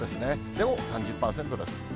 でも３０％です。